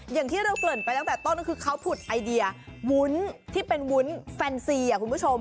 อย่างที่เราเกริ่นไปตั้งแต่ต้นก็คือเขาผุดไอเยาวุ้นที่เป็นวุ้นแฟนซีคุณผู้ชม